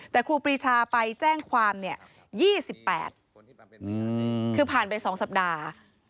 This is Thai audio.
แต่ครูปรีชาไปแจ้งความ๒๘คือผ่านไป๒สัปดาห์